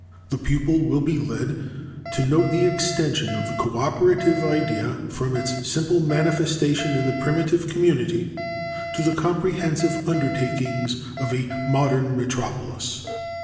The pupil will be led to note the extension of the coöperative idea from its simple manifestation in the primitive community to the comprehensive undertakings of a modern metropolis.